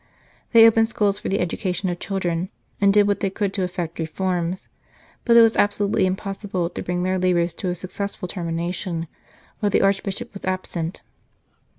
They opened schools for the education of children, and did what they could to effect reforms ; but it was absolutely impossible to bring their labours to a successful termination while the Archbishop was absent.